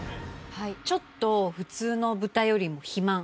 ちょっと普通の豚よりも肥満。